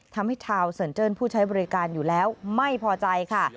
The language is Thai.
ทำให้ชาวเซินเจิ้นผู้ใช้บริการอยู่แล้วไม่พอใจค่ะ